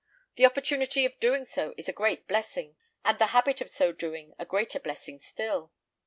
The opportunity of doing so is a great blessing, and the habit of so doing a greater blessing still."